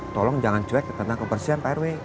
tolong jangan cuek tentang kebersihan pak ero